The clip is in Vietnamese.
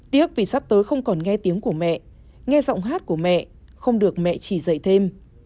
tiếc vì sắp tới không còn nghe tiếng của mẹ nghe giọng hát của mẹ không được mẹ chỉ dạy thêm